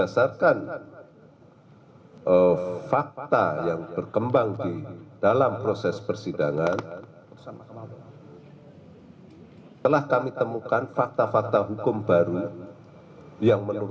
saya berterima kasih